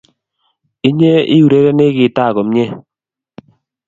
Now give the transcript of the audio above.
inye iurereni gitaa komie